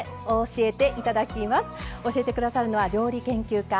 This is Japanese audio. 教えてくださるのは料理研究家